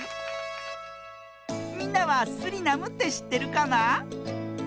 みんなはスリナムってしってるかな？